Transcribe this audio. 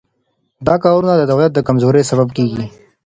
دا کارونه د دولت د کمزورۍ سبب کیږي.